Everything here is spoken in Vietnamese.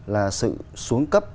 là sự xuống cấp